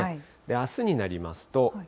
あすになりますと。